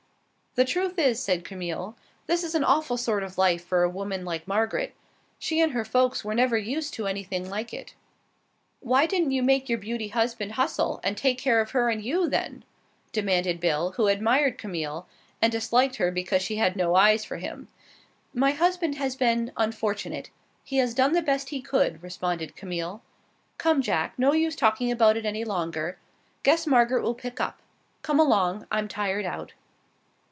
"The truth is," said Camille, "this is an awful sort of life for a woman like Margaret. She and her folks were never used to anything like it." "Why didn't you make your beauty husband hustle and take care of her and you, then?" demanded Bill, who admired Camille, and disliked her because she had no eyes for him. "My husband has been unfortunate. He has done the best he could," responded Camille. "Come, Jack; no use talking about it any longer. Guess Margaret will pick up. Come along. I'm tired out."